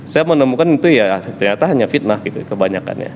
saya menemukan itu ya ternyata hanya fitnah gitu kebanyakannya